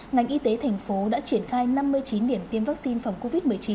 ngành y tế thành phố đã triển khai năm mươi chín điểm tiêm vaccine phòng covid một mươi chín